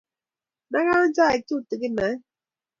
Naga chaik tutikin ae